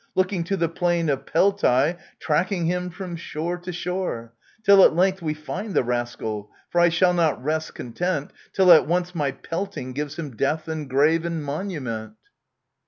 Looking to the plain of Peltce, tracking him from shore to shore ! Till at length we find the rascal ; for I shall not rest content, Till at once my felting gives him death and grave and monu ment